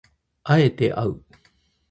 敢えてあう